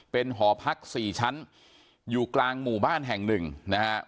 เป็นหอพักสี่ชั้นอยู่กลางหมู่บ้านแห่งหนึ่งนะฮะ